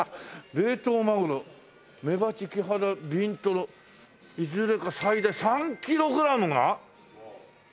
「冷凍マグロ」「メバチキハダビントロいずれか最大３ｋｇが自宅に届く！」